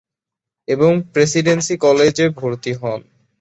এবং presidency college ভর্তি হন।